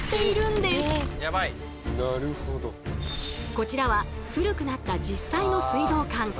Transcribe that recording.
こちらは古くなった実際の水道管。